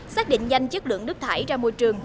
xác định nhanh chất lượng nước thải ra môi trường